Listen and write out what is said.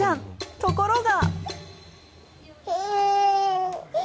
ところが。